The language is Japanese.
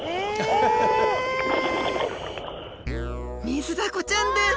ミズダコちゃんです